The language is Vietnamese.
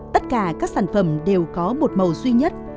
tất cả các sản phẩm đều có một màu duy nhất